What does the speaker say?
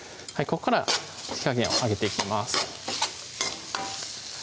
ここから火加減を上げていきます